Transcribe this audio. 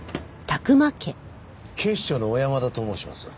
警視庁の小山田と申します。